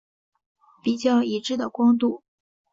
比较已知的光度。